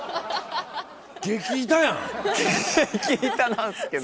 ⁉激イタなんすけど。